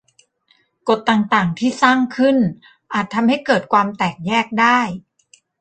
กฎต่าง ๆ ที่สร้างขึ้น อาจทำให้เกิดความแตกแยกได้